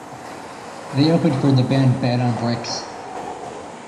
They opened for the band Bed on Bricks.